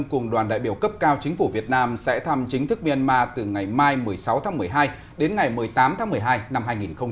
cùng đoàn đại biểu cấp cao chính phủ việt nam sẽ thăm chính thức myanmar từ ngày mai một mươi sáu tháng một mươi hai đến ngày một mươi tám tháng một mươi hai năm hai nghìn một mươi chín